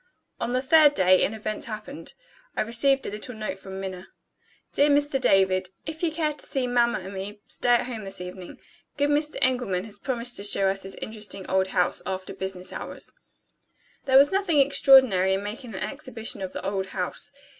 On the third day, an event happened. I received a little note from Minna: "Dear Mr. David, If you care to see mamma and me, stay at home this evening. Good Mr. Engelman has promised to show us his interesting old house, after business hours." There was nothing extraordinary in making an exhibition of "the old house."